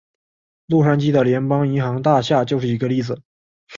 洛杉矶的联邦银行大厦就是一个例子。